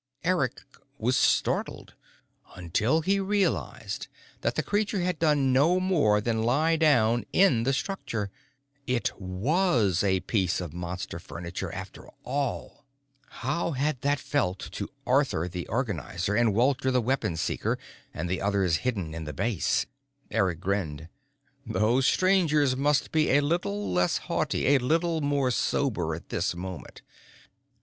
Eric was startled until he realized that the creature had done no more than lie down in the structure. It was a piece of Monster furniture, after all. How had that felt to Arthur the Organizer and Walter the Weapon Seeker and the others hidden in the base? Eric grinned. Those Strangers must be a little less haughty, a little more sober at this moment.